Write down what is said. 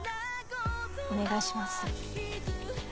お願いします。